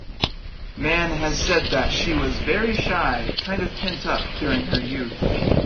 Mann has said that she was "very shy, kind of pent-up" during her youth.